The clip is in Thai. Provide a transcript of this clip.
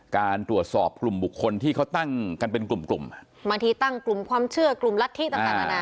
การตรวจสอบกลุ่มบุคคลที่เขาตั้งกันเป็นกลุ่มกลุ่มบางทีตั้งกลุ่มความเชื่อกลุ่มรัฐธิต่างต่างนานา